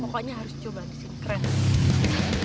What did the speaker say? pokoknya harus coba di sini keren